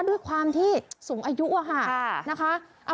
ด้วยความที่สูงอายุค่ะ